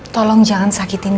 tolong jangan sakitkan